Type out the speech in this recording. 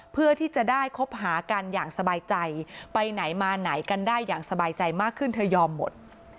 เพื่อที่จะได้คบหากันอย่างสบายใจไปไหนมาไหนกันได้อย่างสบายใจมากขึ้นเธอยอมหมด